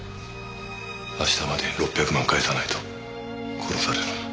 明日までに６００万返さないと殺される。